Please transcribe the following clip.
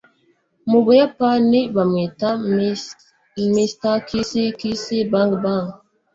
Mubuyapani Bamwita "Mr Kiss Kiss Bang Bang"